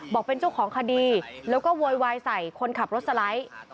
บอกเป็นเจ้าของคดีแล้วก็โวยวายใส่คนขับรถสไลด์